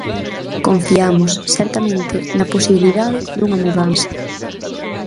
Confiamos, certamente, na posibilidade dunha mudanza.